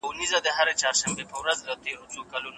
کتابو په فهرست کولو او پر هر يوه ئې د سيريل